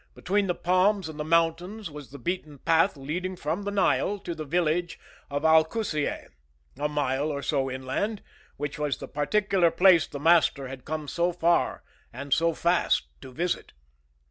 Between the palms and the mountains was the beaten path leading from the Nile to the village of Al Kusiyeh, a mile or so inland, which was the particular place the master had come so far and so fast to visit.